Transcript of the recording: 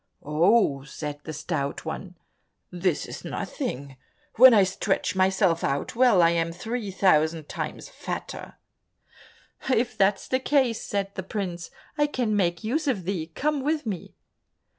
"Oh," said the Stout One, "this is nothing, when I stretch myself out well, I am three thousand times fatter." "If that's the case," said the prince, "I can make use of thee, come with me."